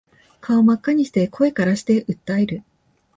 顔真っ赤にして声からして訴える